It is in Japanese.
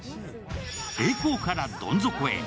栄光からどん底へ。